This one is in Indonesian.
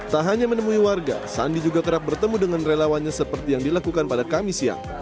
tak hanya menemui warga sandi juga kerap bertemu dengan relawannya seperti yang dilakukan pada kamis siang